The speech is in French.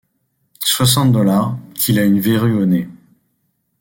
Soixante dollars, qu’il a une verrue au nez!